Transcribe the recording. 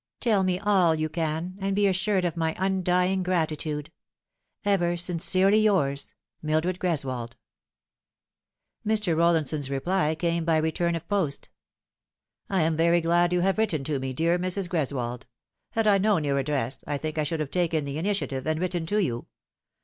Tell me all you can, and be assured of my undying gratitude. Ever sincerely yours, MILDRED GEKSWOLD." Mr. Eollinson's reply came by return of post :" I am very glad you have written to me, dear Mrs. Gres wold. Had I known your address, I think I should have taken the initiative, and written to you.